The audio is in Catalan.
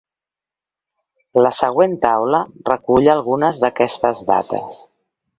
La següent taula recull algunes d'aquestes dates.